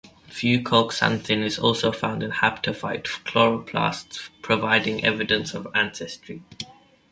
Fucoxanthin is also found in haptophyte chloroplasts, providing evidence of ancestry.